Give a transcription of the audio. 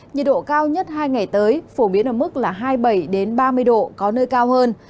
nhiệt độ cao nhất hai ngày tới phổ biến ở mức hai mươi bảy ba mươi độ có nơi cao hơn